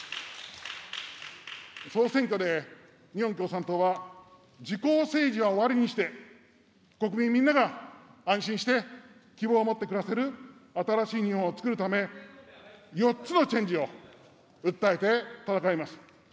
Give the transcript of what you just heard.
総選挙で日本共産党は、自公政治は終わりにして、国民みんなが安心して希望を持って暮らせる新しい日本をつくるため、４つのチェンジを訴えて戦います。